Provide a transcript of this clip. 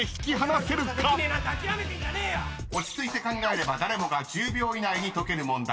［落ち着いて考えれば誰もが１０秒以内に解ける問題］